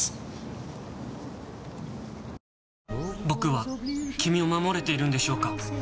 僕は君を守れているんでしょうか？